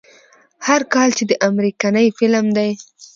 هر کله چې دا امريکنے فلم دے